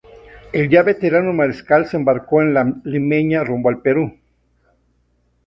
El ya veterano mariscal se embarcó en la "Limeña" rumbo al Perú.